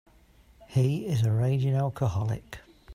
He is a raging alcoholic.